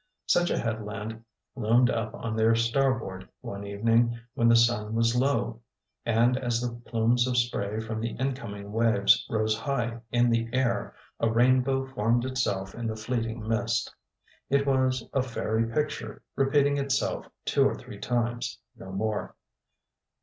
Such a headland loomed up on their starboard one evening when the sun was low; and as the plumes of spray from the incoming waves rose high in the air a rainbow formed itself in the fleeting mist. It was a fairy picture, repeating itself two or three times, no more.